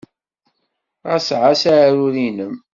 Ɣas ɛass aɛrur-nnem.